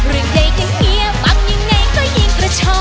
เรื่องใดกันเหี้ยบ้างยังไงก็ยิ่งกระเทา